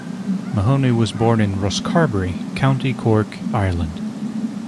Mahony was born in Rosscarbery, County Cork, Ireland.